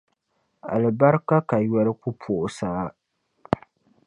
Alibarika kayoli ku pooi saa.